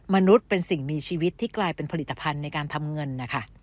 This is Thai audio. มนุษย์เป็นสิ่งมีชีวิตที่กลายเป็นผลิตภัณฑ์ในการทำเงินนะคะ